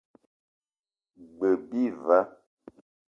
G-beu bi va.